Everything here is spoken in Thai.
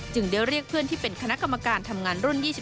ได้เรียกเพื่อนที่เป็นคณะกรรมการทำงานรุ่น๒๕